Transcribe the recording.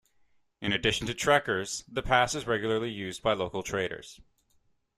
In addition to trekkers, the pass is regularly used by local traders.